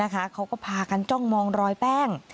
เขาก็พากันจ้องมองรอยแป้ง